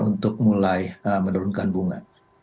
untuk mulai menurunkan bunga